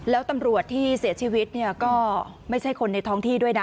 แล้วตำรวจที่เสียชีวิตเนี่ยก็ไม่ใช่คนในท้องที่ด้วยนะ